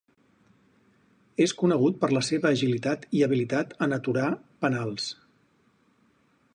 És conegut per la seva agilitat i habilitat en aturar penals.